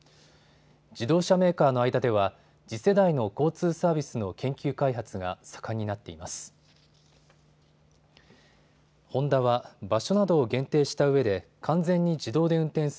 自動車メーカーの間では次世代の交通サービスの研究開発が盛んになっています。